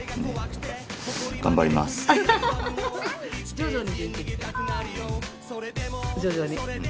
徐々に。